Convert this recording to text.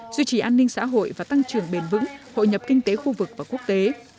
duy trì an ninh xã hội và tăng trưởng bền vững hội nhập kinh tế khu vực và quốc tế